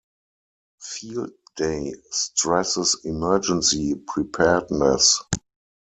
Field Day stresses emergency preparedness.